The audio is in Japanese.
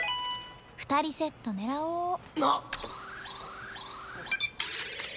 ２人セット狙おう。